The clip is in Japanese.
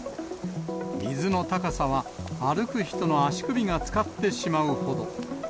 水の高さは歩く人の足首がつかってしまうほど。